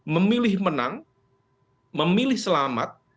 memilih menang memilih selamat